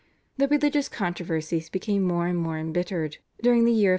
The religious controversies became more and more embittered during the year 1559.